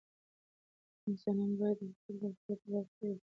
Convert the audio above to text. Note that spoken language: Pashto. انسانان باید د خپلې روغتیا په برخه کې ډېر احتیاط وکړي.